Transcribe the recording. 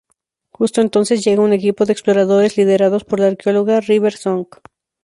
Justo entonces, llega un equipo de exploradores liderados por la arqueóloga River Song.